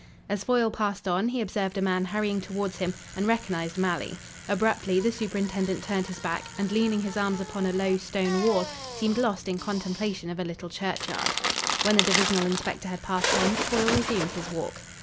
As Foyle passed on, he observed a man hurrying towards him and recognised Malley. Abruptly the superintendent turned his back and, leaning his arms upon a low stone wall, seemed lost in contemplation of a little churchyard. When the divisional inspector had passed on, Foyle resumed his walk.